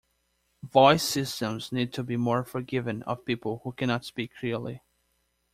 Voice systems need to be more forgiving of people who cannot speak clearly.